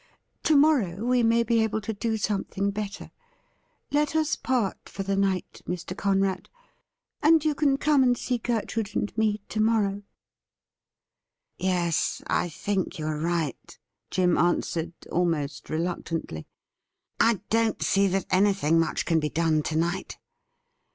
To morrow we may be able to do something better. Let us part for the night, Mr. Conrad ; and you can come and see Gertrude and me to morrow.' ' Yes, I think you are right,' Jim answered, almost re luctantly. ' I don't see that anything much can be done to night.